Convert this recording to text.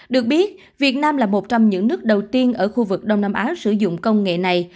được biết việt nam là một trong những nước đầu tiên ở khu vực đông nam á sử dụng công nghệ này